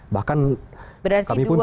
bahkan kami pun tidak